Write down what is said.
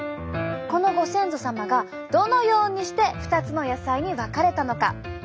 このご先祖様がどのようにして２つの野菜に分かれたのか。